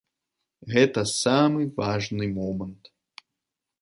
Гэта самы важны момант.